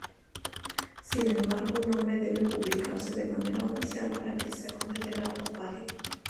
Sin embargo un nombre debe publicarse de manera oficial para que sea considerado válido.